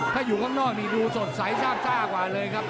ถ้าอยู่ข้างนอกนี่ดูสดใสซาบซ่ากว่าเลยครับ